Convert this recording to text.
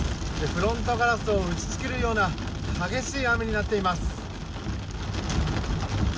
フロントガラスを打ち付けるような激しい雨になっています。